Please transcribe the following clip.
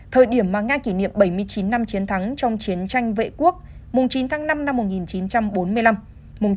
thời điểm mà nga kỷ niệm bảy mươi chín năm chiến thắng trong chiến tranh vệ quốc chín tháng năm năm một nghìn chín trăm bốn mươi năm